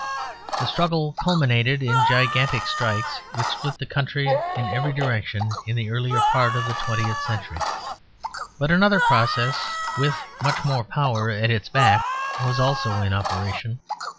The struggle culminated in gigantic strikes which split the country in every direction in the earlier part of the twentieth century. But another process, with much more power at its back, was also in operation.